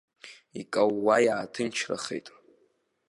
Икаууа иааҭынчрахеит.